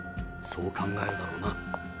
そう考えるだろうな。